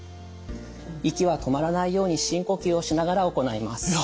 息は止まらないように深呼吸をしながら行います。